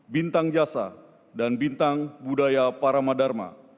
bintang jasa dan bintang budaya paramadharma